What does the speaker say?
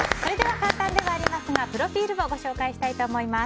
簡単ではありますがプロフィールをご紹介したいと思います。